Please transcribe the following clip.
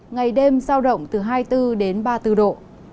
ngày đêm giao động từ hai mươi bốn đến ba mươi bốn độ